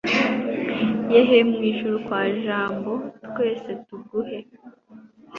yehe, mu ijuru kwa jambo, twese tuguhe